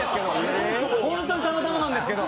ホントにたまたまなんですけど。